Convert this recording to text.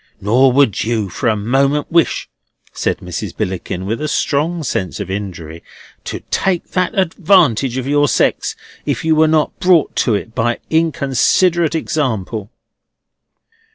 Nor would you for a moment wish," said Mrs. Billickin, with a strong sense of injury, "to take that advantage of your sex, if you were not brought to it by inconsiderate example."